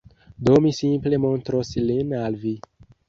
Do, mi simple montros lin al vi